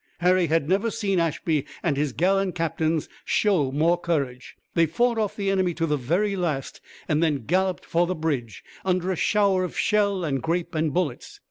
Harry had never seen Ashby and his gallant captains show more courage. They fought off the enemy to the very last and then galloped for the bridge, under a shower of shell and grape and bullets.